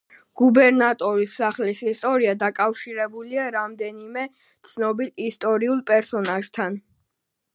გუბერნატორის სახლის ისტორია დაკავშირებულია რამდენიმე ცნობილ ისტორიულ პერსონაჟთან.